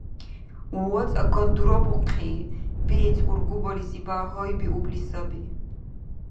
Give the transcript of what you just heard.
ВацӀакад дурабухъи, бецӀ ургубализибяхӀ гьайбиубли саби.